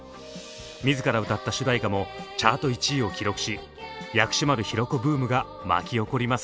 自ら歌った主題歌もチャート１位を記録し薬師丸ひろ子ブームが巻き起こります。